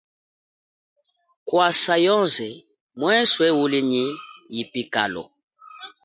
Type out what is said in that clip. Kwasa yoze mweswe uli nyi yipikalo.